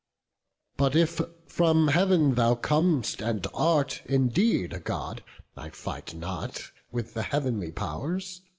But if from Heav'n thou com'st, and art indeed A God, I fight not with the heav'nly powers.